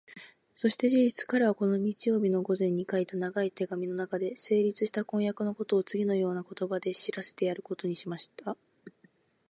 そして事実、彼はこの日曜日の午前に書いた長い手紙のなかで、成立した婚約のことをつぎのような言葉で知らせてやることにした。